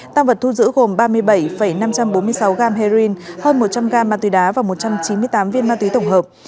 tăng vật thu giữ gồm ba mươi bảy năm trăm bốn mươi sáu g heroin hơn một trăm linh gram ma túy đá và một trăm chín mươi tám viên ma túy tổng hợp